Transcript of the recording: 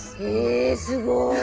えすごい。